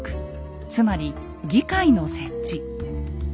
つまり議会の設置。